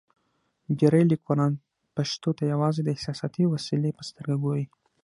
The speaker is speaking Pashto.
ډېری لیکوالان پښتو ته یوازې د احساساتي وسیلې په سترګه ګوري.